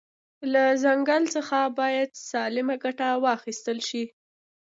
له ځنګل ځخه باید سالمه ګټه واخیستل شي